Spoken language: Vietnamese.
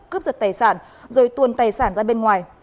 cướp giật tài sản rồi tuôn tài sản ra bên ngoài